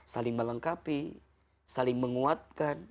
saling melengkapi saling menguatkan